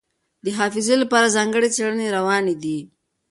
د حافظې لپاره ځانګړې څېړنې روانې دي.